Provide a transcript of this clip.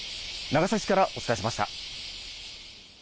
長崎市からお伝えしました。